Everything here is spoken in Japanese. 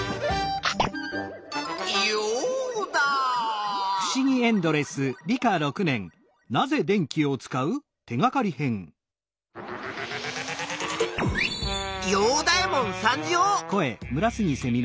ヨウダ！ヨウダエモン参上！